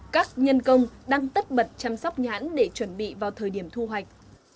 các nhân công đang tất bật chăm sóc nhãn để chuẩn bị vào thời điểm thu hoạch